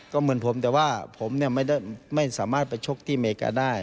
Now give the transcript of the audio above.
ก็เหมือนผมแต่ว่าผมไม่สามารถไปชกที่อเมริกาได้